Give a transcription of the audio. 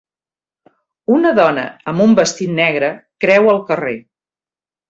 Una dona amb un vestit negre creua el carrer.